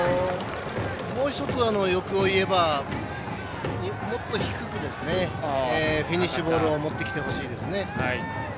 もう一つ欲を言えばもっと低くフィニッシュボールを持ってきてほしいですね。